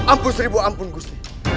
ampun seribu ampun gusir